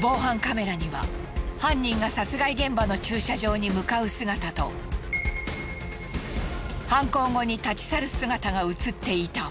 防犯カメラには犯人が殺害現場の駐車場に向かう姿と犯行後に立ち去る姿が映っていた。